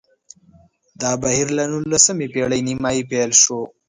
دا بهیر له نولسمې پېړۍ نیمايي پیل شو